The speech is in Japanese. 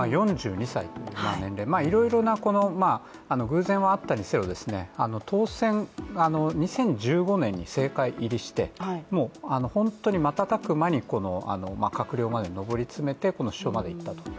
４２歳という年齢、いろいろな偶然はあったにせよ当選、２０１５年に政界入りして、本当に瞬く間に閣僚まで上り詰めて首相にまでいったと。